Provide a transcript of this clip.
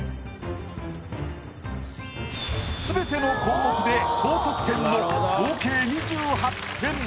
全ての項目で高得点の合計２８点。